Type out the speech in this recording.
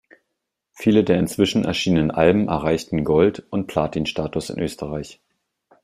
Viele der inzwischen erschienenen Alben erreichten Gold- und Platinstatus in Österreich.